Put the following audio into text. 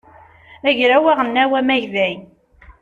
agraw aɣelnaw amagday